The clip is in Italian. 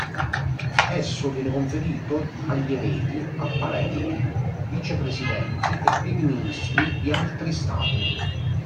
Esso viene conferito agli eredi apparenti, vice presidenti e primi ministri di altri stati.